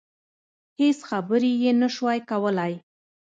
هېڅ خبرې يې نشوای کولای.